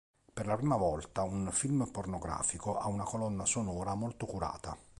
Per la prima volta un film pornografico ha una colonna sonora molto curata.